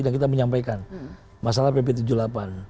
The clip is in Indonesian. dan kita menyampaikan masalah pp tujuh puluh delapan